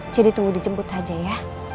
jadi tunggu dijemput saja ya